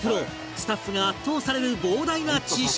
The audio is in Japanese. スタッフが圧倒される膨大な知識量